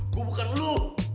gue bukan lo